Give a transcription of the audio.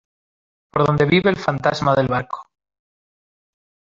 por donde vive el fantasma del barco.